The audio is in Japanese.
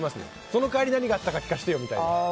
その代わり何があったか聞かせてよみたいな。